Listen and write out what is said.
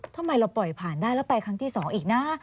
ทำไมเราปล่อยผ่านได้แล้วไปครั้งที่๒อีกนะ